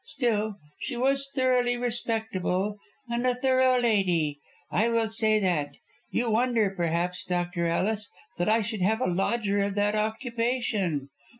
Still, she was thoroughly respectable, and a thorough lady, I will say that. You wonder, perhaps, Dr. Ellis, that I should have a lodger of that occupation.